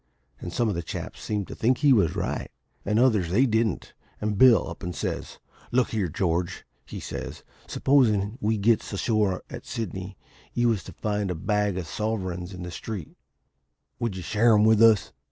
And some of the chaps seemed to think he was right, and others they didn't, and Bill up and says "`Look here, George,' he says, `supposin' when we gets ashore at Sydney you was to find a bag of sovereigns in the street, would you share 'em with us?'